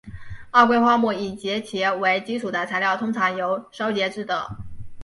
二硅化钼及以其为基础的材料通常由烧结制得。